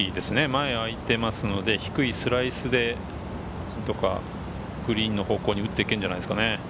前あいてますので、低いスライスでとか、グリーンの方向に打っていけるんじゃないですかね。